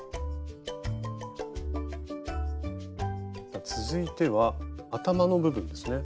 さあ続いては頭の部分ですね。